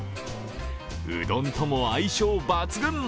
うどんとも相性抜群。